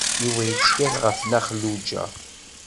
Yuba yettkal ɣef Nna Xelluǧa.